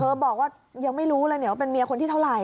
เธอบอกว่ายังไม่รู้เลยว่าเป็นเมียคนที่เท่าไหร่